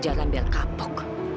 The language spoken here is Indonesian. belajar dan biar kapok